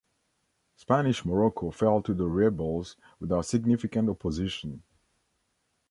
Spanish Morocco fell to the rebels without significant opposition.